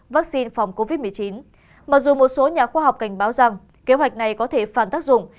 vaccine phòng covid một mươi chín mặc dù một số nhà khoa học cảnh báo rằng kế hoạch này có thể phản tác dụng